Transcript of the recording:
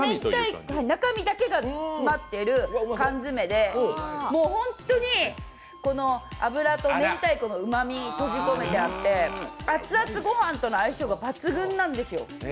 中身だけが詰まってる缶詰で、本当に油とめんたいこのうまみが閉じ込めてあって、熱々御飯との相性が抜群なんですよ。